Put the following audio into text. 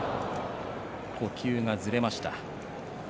呼吸がずれました。